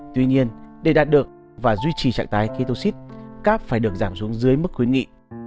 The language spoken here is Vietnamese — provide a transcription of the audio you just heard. tuy nhiên để đạt được và duy trì trạng thái ketoxid carb phải được giảm xuống dưới mức khuyến nghị